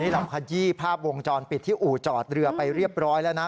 เราขยี้ภาพวงจรปิดที่อู่จอดเรือไปเรียบร้อยแล้วนะ